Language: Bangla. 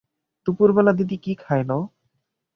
দুপুর বেলা দিদি কি খাইল?